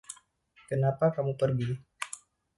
Kenapa kamu pergi?